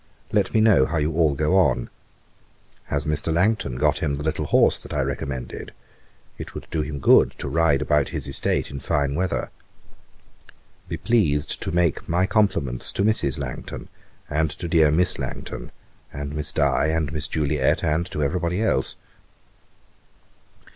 Let me know how you all go on. Has Mr. Langton got him the little horse that I recommended? It would do him good to ride about his estate in fine weather. 'Be pleased to make my compliments to Mrs. Langton, and to dear Miss Langton, and Miss Di, and Miss Juliet, and to every body else.